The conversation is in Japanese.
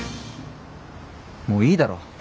もういいだろ。